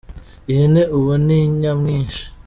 Ihene ubu ni nyamwinshi.